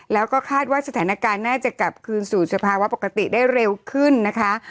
แล้วก็คาดว่าสถานการณ์น่าจะกลับคืนสู่สภาวะปกติได้เร็วขึ้นนะคะ